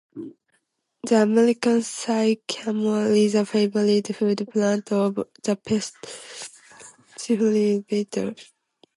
The American sycamore is a favored food plant of the pest sycamore leaf beetle.